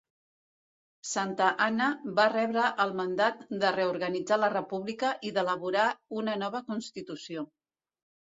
Santa Anna va rebre el mandat de reorganitzar la República i d'elaborar una nova constitució.